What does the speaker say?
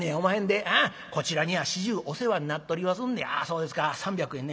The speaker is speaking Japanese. ああこちらには始終お世話になっとりますんでああそうですか３００円ね。